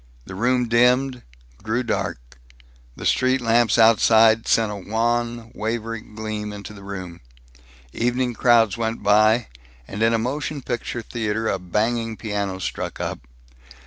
The room dimmed, grew dark. The street lamps outside sent a wan, wavery gleam into the room. Evening crowds went by, and in a motion picture theater a banging piano struck up.